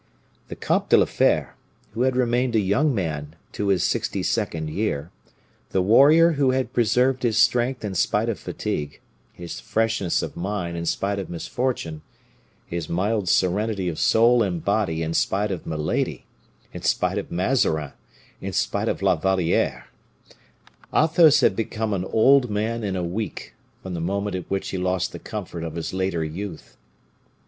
The Comte de la Fere, who had remained a young man to his sixty second year; the warrior who had preserved his strength in spite of fatigue; his freshness of mind in spite of misfortune, his mild serenity of soul and body in spite of Milady, in spite of Mazarin, in spite of La Valliere; Athos had become an old man in a week, from the moment at which he lost the comfort of his later youth.